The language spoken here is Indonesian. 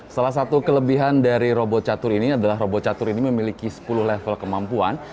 salah satu kelebihan dari robot catur ini adalah robot catur ini memiliki sepuluh level kemampuan